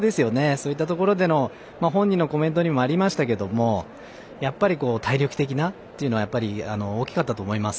そういったところでの本人のコメントにもありましたが体力的なというのは大きかったと思います。